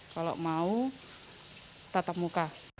kalau mau tetap muka